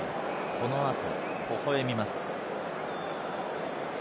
この後、ほほ笑みます。